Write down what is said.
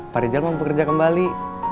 pak rizal mau bekerja kembali